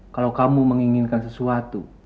kalau kamu menginginkan sesuatu